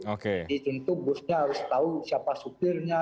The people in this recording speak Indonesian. jadi tentu busnya harus tahu siapa supirnya